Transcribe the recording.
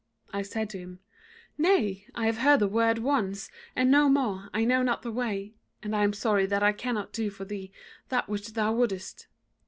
I said to him, 'Nay, I have heard the word once and no more, I know not the way: and I am sorry that I cannot do for thee that which thou wouldest.'